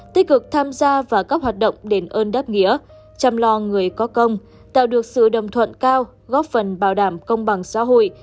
tham gia và các hoạt động đền ơn đáp nghĩa chăm lo người có công tạo được sự đồng thuận cao góp phần bảo đảm công bằng xã hội